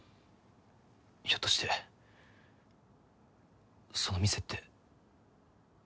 ひょっとしてその店って。